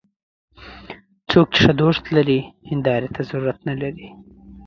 څوک چې ښه دوست لري، هنداري ته ضرورت نه لري